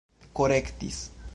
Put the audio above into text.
korektis